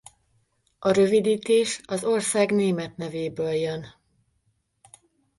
A rövidítés az ország német nevéből jön.